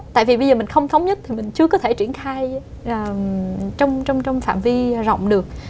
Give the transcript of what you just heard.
tại vì bây giờ mình không thống nhất thì mình chưa có thể triển khai trong phạm vi rộng được